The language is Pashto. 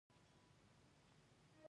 دلارام لاره ولې مهمه ده؟